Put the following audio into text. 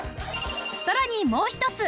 さらにもう一つ